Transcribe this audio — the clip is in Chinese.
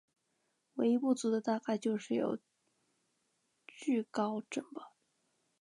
唯一不足的大概就是有惧高症吧。